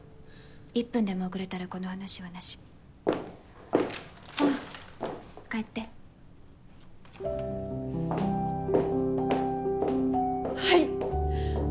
１分でも遅れたらこの話はなしさあ帰ってはい！